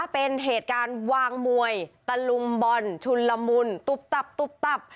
เป็นเหตุการณ์วางมวยตะลุมบอลชุนละมุนตุ๊บตับตุ๊บตับ